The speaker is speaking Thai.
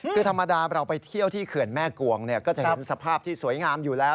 คือธรรมดาเราไปเที่ยวที่เขื่อนแม่กวงก็จะเห็นสภาพที่สวยงามอยู่แล้ว